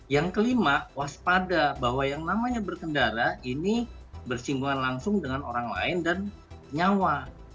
yang kelima waspada bahwa yang namanya berkendara ini bersinggungan langsung dengan orang lain dan nyawa